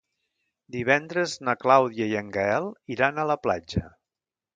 Divendres na Clàudia i en Gaël iran a la platja.